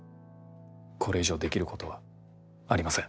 これ以上できることはありません。